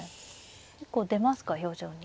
結構出ますか表情に。